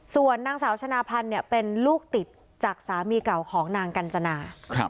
ส่วนนางสาวชนะพันธ์เป็นลูกติดจากสามีเก่าของนางกัญจนา